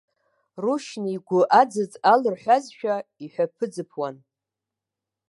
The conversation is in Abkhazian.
Рушьни игәы аӡаӡ алырҳәазшәа иҳәаԥы-ӡыԥуан.